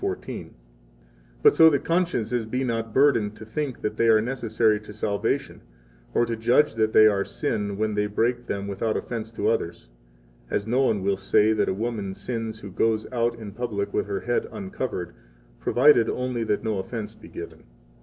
56 but so that consciences be not burdened to think that they are necessary to salvation, or to judge that they sin when they break them without offense to others; as no one will say that a woman sins who goes out in public with her head uncovered provided only that no offense be given.